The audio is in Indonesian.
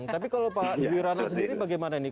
tapi kalau pak wirana sendiri bagaimana nih